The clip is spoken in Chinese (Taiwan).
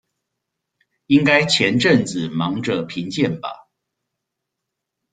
應該前陣子忙著評鑑吧